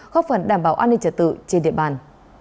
góp phần đảm bảo an ninh trật tự trên địa bàn